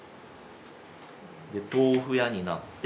で豆腐屋になって。